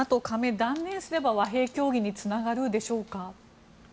ＮＡＴＯ加盟を断念すれば和平協議につながるでしょうか？